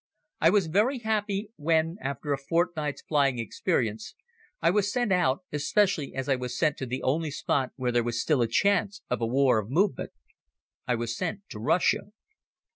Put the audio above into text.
I was very happy when, after a fortnight's flying experience, I was sent out, especially as I was sent to the only spot where there was still a chance of a war of movement. I was sent to Russia.